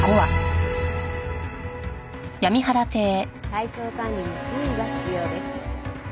体調管理に注意が必要です。